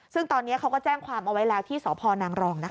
ซึ่งตอนนี้เขาก็แจ้งความเอาไว้แล้วที่สพนางรองนะคะ